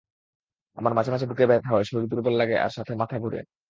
আমার মাঝে মাঝে বুকে ব্যথা হয়, শরীর দূর্বল লাগে আর সাথে মাথা ঘুরে।